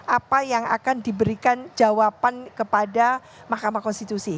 apa yang akan diberikan jawaban kepada mahkamah konstitusi